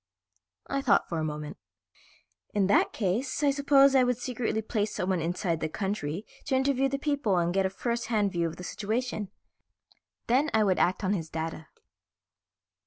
I thought for a minute. "In that case I suppose I would secretly place someone inside the country to interview the people and get a first hand view of the situation. Then I would act on his data."